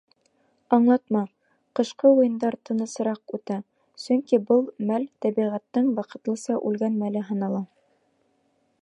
Аңлатма: ҡышҡы уйындар тынысыраҡ үтә, сөнки был мәл Тәбиғәттең ваҡытлыса үлгән мәле һанала.